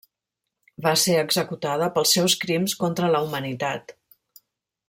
Va ser executada pels seus crims contra la humanitat.